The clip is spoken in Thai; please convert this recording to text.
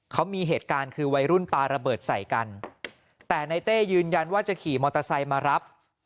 เขามีเหตุการณ์คือวัยรุ่นปลาระเบิดใส่กันแต่ในเต้ยืนยันว่าจะขี่มอเตอร์ไซค์มารับ